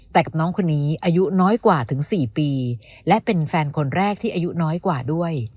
แต่กับน้องคนนี้อายุน้อยกว่าถึง๔ปีและเป็นแฟนคนแรกที่อายุน้อยกว่าด้วย